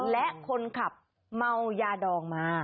และคนขับเมายาดองมา